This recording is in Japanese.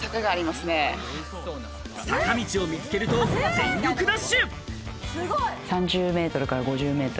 坂道を見つけると全力ダッシュ。